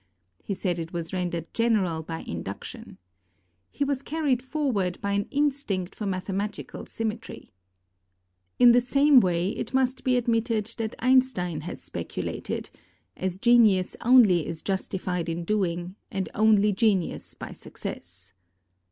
He said it was rendered general by induction. He was AND RELATIVITY ir carried forward by an instinct for mathematical sym metry. In the same way, it must be admitted that Einstein has speculated, as genius only is justified in doing, and only genius by success.